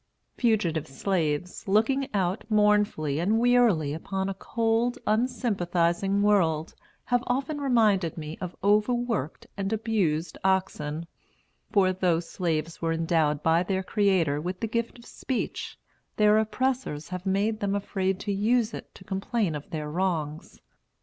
Fugitive slaves, looking out mournfully and wearily upon a cold, unsympathizing world, have often reminded me of overworked and abused oxen; for though slaves were endowed by their Creator with the gift of speech, their oppressors have made them afraid to use it to complain of their wrongs.